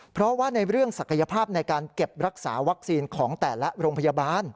เพราะว่าในเรื่องศักยภาพในการเก็บรักษาวัคซีนของแต่ละโรงพยาบาล